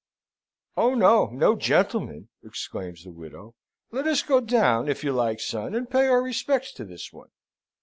"Oh no no gentleman!" exclaims the little widow; "let us go down, if you like, son, and pay our respects to this one.